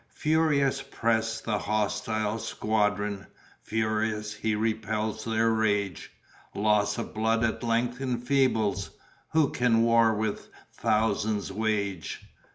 "Furious press the hostile squadron, Furious he repels their rage, Loss of blood at length enfeebles; Who can war with thousands wage?"